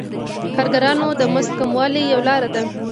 د کارګرانو د مزد کموالی یوه لاره ده